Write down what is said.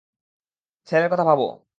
ছেলের কথা ভাবো।